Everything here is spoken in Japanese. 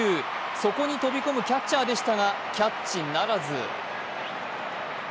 そこに飛び込むキャッチャーでしたがキャッチならず。